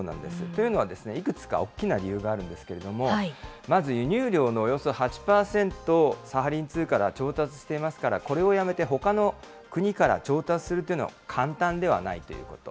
というのは、いくつか大きな理由があるんですけれども、まず輸入量のおよそ８％をサハリン２から調達していますから、これをやめてほかの国から調達するというのは、簡単ではないということ。